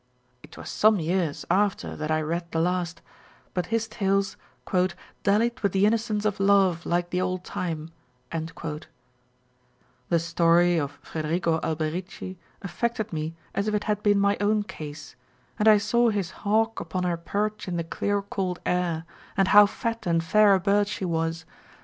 It was some years after that I read the last, but his tales Dallied with the innocence of love, Like the old Time: The story of Frederigo Alberigi affected me as if it had been my own case,1 and I saw his hawk upon her perch in the clear, cold air, " and how fat and fair a bird she was," 1 See Memoirs of W.